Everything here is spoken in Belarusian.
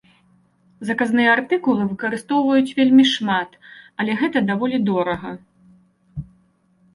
Заказныя артыкулы выкарыстоўваюць вельмі шмат, але гэта даволі дорага.